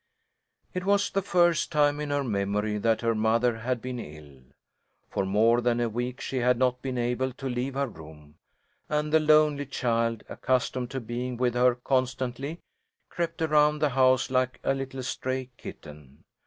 It was the first time in her memory that her mother had been ill. For more than a week she had not been able to leave her room, and the lonely child, accustomed to being with her constantly, crept around the house like a little stray kitten.